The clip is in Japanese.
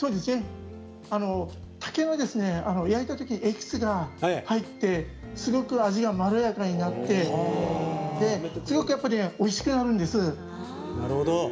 竹は焼いたときエキスが入ってすごく味がまろやかになってやっぱりおいしくなるんです。